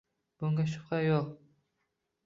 Bunga shubha yo‘q.